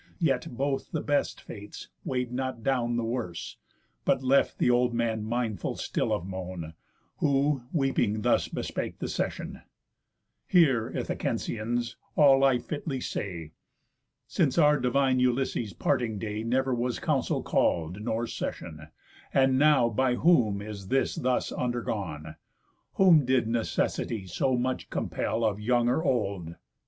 Yet both the best fates weigh'd not down the worse, But left the old man mindful still of moan; Who, weeping, thus bespake the Session: "Hear, Ithacensians, all I fitly say: Since our divine Ulysses' parting day Never was council call'd, nor session, And now by whom is this thus undergone? Whom did necessity so much compell, Of young or old?